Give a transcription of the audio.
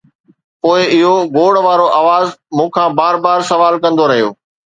پوءِ اهو گوڙ وارو آواز مون کان بار بار سوال ڪندو رهيو